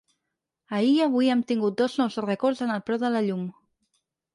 Ahir i avui hem tingut dos nous rècords en el preu de la llum.